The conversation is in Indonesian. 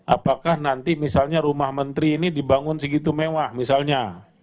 apakah nanti misalnya rumah menteri ini dibangun segitu mewah misalnya